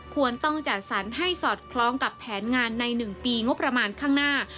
ควรต้องจัดสรรให้สอดคล้องกับแผนงานใน๑ปีงบประมาณข้างหน้า